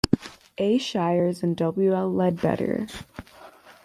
A. Shires, and W. L. Ledbetter.